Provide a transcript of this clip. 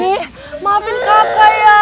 ih maafin kakak ya